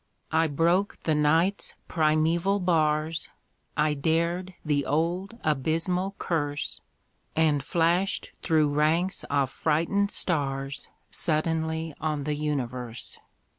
I broke the Night's primeval bars, I dared the old abysmal curse, And flashed through ranks of frightened stars Suddenly on the universe!